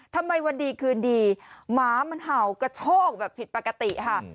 ทำไมวันดีคืนดีหมามันเห่ากระโชกแบบผิดปกติค่ะ